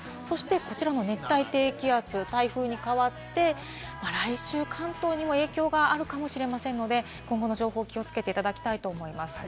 こちらの熱帯低気圧、台風に変わって来週、関東にも影響があるかもしれませんので、今後の情報を気をつけていただきたいと思います。